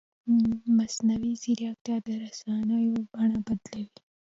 مصنوعي ځیرکتیا د رسنیو بڼه بدلوي.